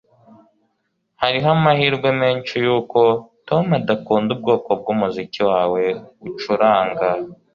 hariho amahirwe menshi yuko tom adakunda ubwoko bwumuziki wawe ucuranga